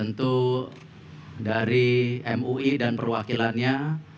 tentu dari mui dan perwakilannya